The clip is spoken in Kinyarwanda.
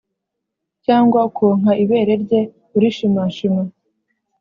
Cyangwa ukonka ibere rye urishimashima